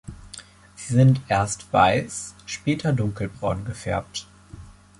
Sie sind erst weiß, später dunkelbraun gefärbt.